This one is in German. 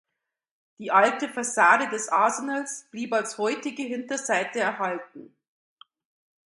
Die alte Fassade des Arsenals blieb als heutige Hinterseite erhalten.